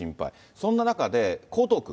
そんな中で、江東区。